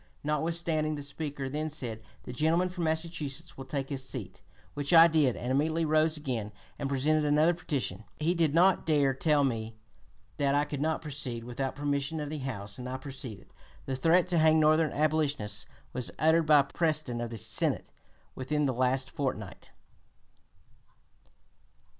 notwithstanding. The Speaker then said, 'The gentleman from Massachusetts will take his seat;' which I did and immediately rose again and presented another petition. He did not dare tell me that I could not proceed without (p. 258) permission of the House, and I proceeded. The threat to hang Northern abolitionists was uttered by Preston of the Senate within the last fortnight."